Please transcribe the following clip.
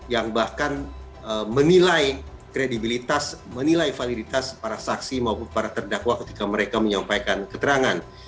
yang bahkan menilai kredibilitas menilai validitas para saksi maupun para terdakwa ketika mereka menyampaikan keterangan